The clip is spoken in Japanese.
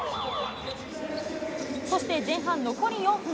そして前半残り４分。